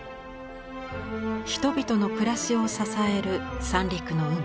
人々の暮らしを支える三陸の海